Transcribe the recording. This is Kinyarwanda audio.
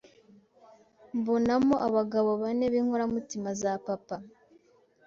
mbonamo abagabo bane binkoramutima za papa